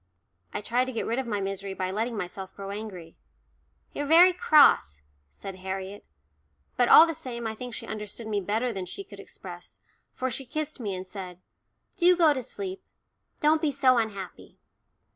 I tried to get rid of my misery by letting myself grow angry. "You're very cross," said Harriet; but all the same I think she understood me better than she could express, for she kissed me and said, "Do go to sleep don't be so unhappy."